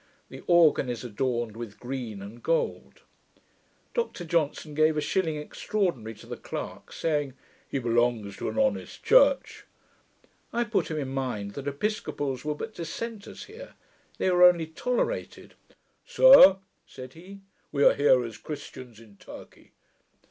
The organ is adorned with green and gold. Dr Johnson gave a shilling extraordinary to the clerk, saying, 'He belongs to an honest church.' I put him in mind, that episcopals were but DISSENTERS here; they were only TOLERATED. 'Sir,' said he, 'we are here, as Christians in Turkey.'